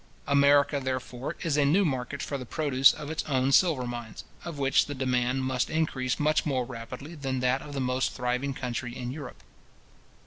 America, therefore, is a new market for the produce of its own silver mines, of which the demand must increase much more rapidly than that of the most thriving country in Europe.